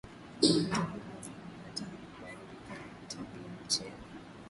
joto kubwa inafuatana na baridi kali Tabianchi ya